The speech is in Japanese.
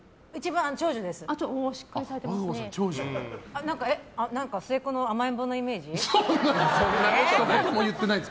長女です。